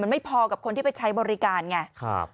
มันไม่พอกับคนที่ไปใช้บริการไงครับ